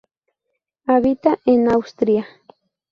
Habita en Austria.